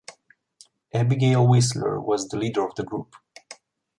Abigail Whistler was the leader of the group.